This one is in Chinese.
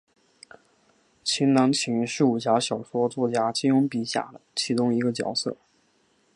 秦南琴是武侠小说作家金庸笔下的其中一个角色。